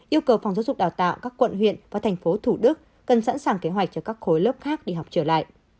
yêu cầu phòng giáo dục đào tạo các quận huyện và thành phố thủ đức cần sẵn sàng kế hoạch cho các khối lớp khác đi học trở lại